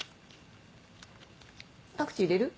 パクチー入れる？